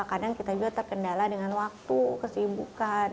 kadang kita juga terkendala dengan waktu kesibukan